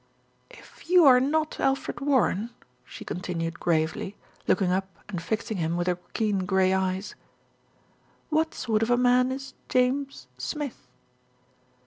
"If you are not Alfred Warren," she continued gravely, looking up and fixing him with her keen grey eyes, "what sort of a man is James Smith?"